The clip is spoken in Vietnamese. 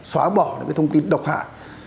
xóa bỏ thông tin độc hại